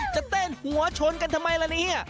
จะเต้นหัวชนกันทำไมล่ะเนี่ย